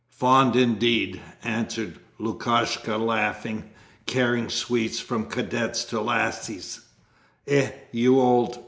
'Fond indeed...' answered Lukashka laughing, 'carrying sweets from cadets to lasses! Eh, you old...'